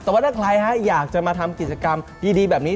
แต่ว่าถ้าใครอยากจะมาทำกิจกรรมดีแบบนี้